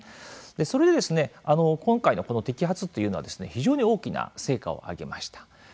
それで今回の摘発というのは非常に大きな成果を上げました。